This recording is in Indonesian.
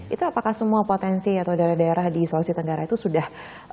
itu apakah semua potensi atau daerah daerah di sulawesi tenggara itu sudah